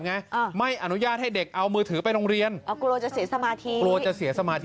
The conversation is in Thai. ไงไม่อนุญาตให้เด็กเอามือถือไปโรงเรียนกลัวจะเสียสมาธิ